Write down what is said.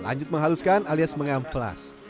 lanjut menghaluskan alias mengamplas